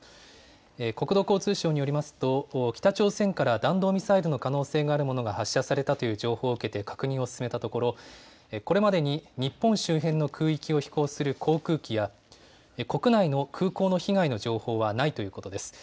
国土交通省によりますと、北朝鮮から弾道ミサイルの可能性があるものが発射されたという情報を受けて確認を進めたところ、これまでに日本周辺の空域を飛行する航空機や、国内の空港の被害の情報はないということです。